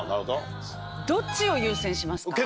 どっちを優先しますか？